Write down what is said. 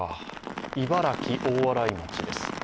茨城・大洗町です。